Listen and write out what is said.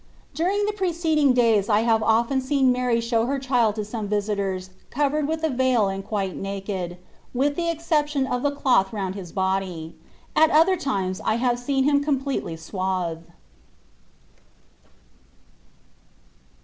During the preceding days I have often seen Mary show her child to some visitors covered with a veil and quite naked, with the exception of the cloth round His body. At other times I have seen Him com pletely swathed.